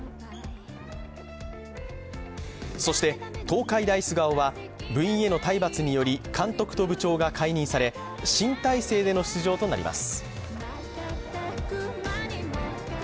そして、東海大菅生は部員への体罰により監督と部長が解任され新体制での出場となります。